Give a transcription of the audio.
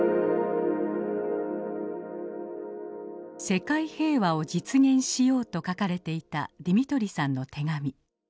「世界平和を実現しよう」と書かれていたディミトリさんの手紙。